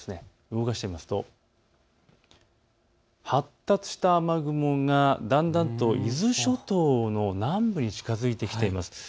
動かしますと発達した雨雲がだんだんと伊豆諸島の南部に近づいてきています。